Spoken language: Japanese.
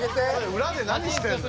うらで何してんの？